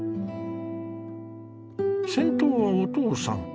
先頭はお父さん。